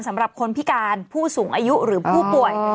สำหรับคนพิการผู้สูงอายุหรือผู้ป่วย